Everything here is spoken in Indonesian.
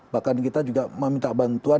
bahkan kita juga meminta bantuan